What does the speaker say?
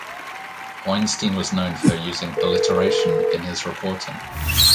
Weinstein was known for using alliteration in his reporting.